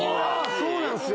そうなんですよ。